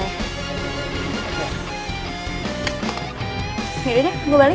sini aja gue balik